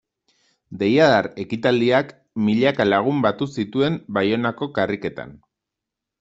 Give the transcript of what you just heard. Deiadar ekitaldiak milaka lagun batu zituen Baionako karriketan.